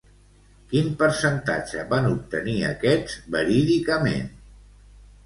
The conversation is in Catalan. Quin percentatge van obtenir aquests, verídicament?